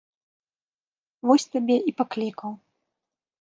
Вось табе і паклікаў.